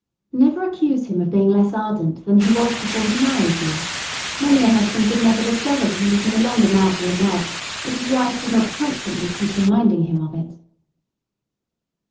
Never accuse him of being less ardent than he was before he married you. Many a husband would never discover that he was no longer madly in love, if his wife did not keep constantly reminding him of it.